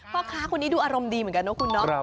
เข้าข้าคนนี้ดูอารมณ์ดีเหมือนกันเนาะ